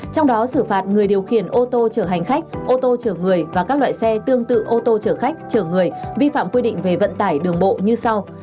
trong đó xử phạt người điều khiển ô tô chở hành khách ô tô chở người và các loại xe tương tự ô tô chở khách chở người vi phạm quy định về vận tải đường bộ như sau